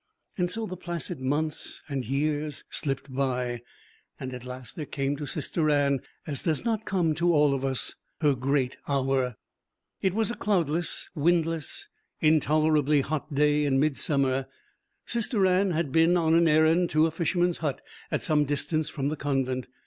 So the placid months and years slipped by, and at last there came to Sister Anne, as does not come to all of us, her great hour. It was a cloudless, windless, intolerably hot day in midsummer. Sister Anne had been on an errand to a fisherman's hut at some distance from the convent.